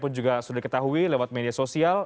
pun juga sudah diketahui lewat media sosial